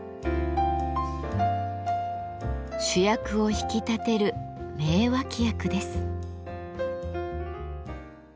主役を引き立てる名脇役です。